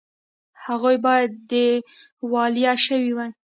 هغوی باید دیوالیه شوي وي